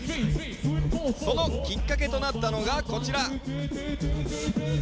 そのきっかけとなったのがこちら。